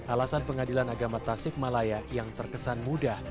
alasan pengadilan agama tasik malaya yang terkesan mudah